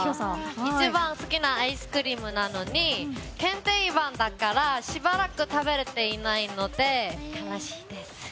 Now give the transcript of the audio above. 一番好きなアイスクリームなのに限定版だからしばらく食べれていないので悲しいです。